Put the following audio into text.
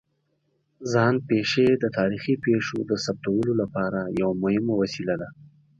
ځان پېښې د تاریخي پېښو د ثبتولو لپاره یوه مهمه وسیله ده.